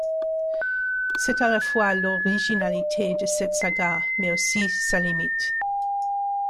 C’est à la fois l’originalité de cette saga mais aussi sa limite.